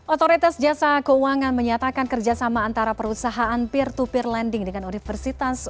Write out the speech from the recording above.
otoritas jasa keuangan menyatakan kerjasama antara perusahaan peer to peer lending dengan universitas